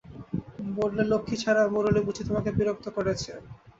বললে, লক্ষ্মীছাড়া মুরলী বুঝি তোমাকে বিরক্ত করেছে?